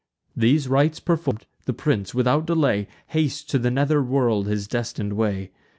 These rites perform'd, the prince, without delay, Hastes to the nether world his destin'd way.